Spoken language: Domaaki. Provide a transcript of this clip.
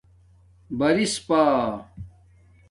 برِس پا